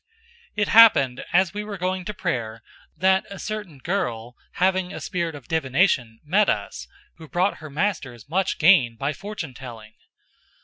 016:016 It happened, as we were going to prayer, that a certain girl having a spirit of divination met us, who brought her masters much gain by fortune telling.